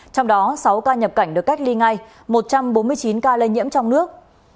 trong đó sáu ca nhập cảnh được cách ly ngay một trăm bốn mươi chín ca lây nhiễm trong nước